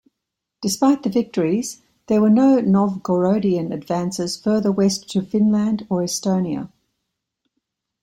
Despite the victories, there were no Novgorodian advances further west to Finland or Estonia.